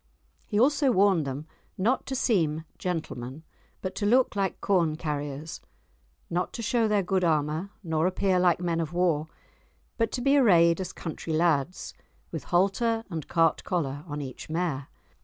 He also warned them not to seem gentlemen, but to look like corn carriers; not to show their good armour, nor appear like men of war, but to be arrayed as country lads, with halter and cart collar on each mare.